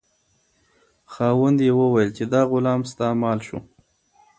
خاوند یې وویل چې دا غلام ستا مال شو.